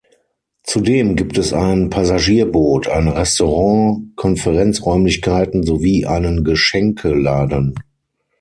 Zudem gibt es ein Passagierboot, ein Restaurant, Konferenzräumlichkeiten sowie einen Geschenkeladen.